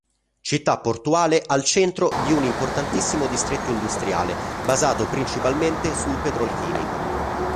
Città portuale al centro di un importantissimo distretto industriale basato principalmente sul petrolchimico.